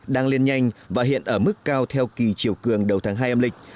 đang lên nhanh và hiện ở mức cao theo kỳ chiều cường đầu tháng hai âm lịch